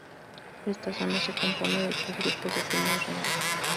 Esta zona se compone de tres grupos de tumbas reales.